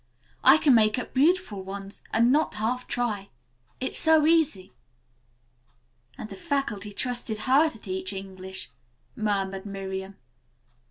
I can make up beautiful ones and not half try. It's so easy." "And the faculty trusted her to teach English," murmured Miriam.